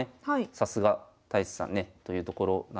さすが太地さんねというところなんですが。